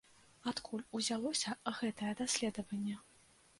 Адкуль узялося гэтае даследаванне?